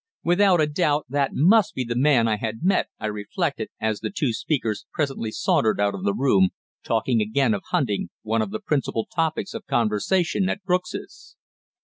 Without a doubt that must be the man I had met, I reflected as the two speakers presently sauntered out of the room, talking again of hunting, one of the principal topics of conversation in Brooks's.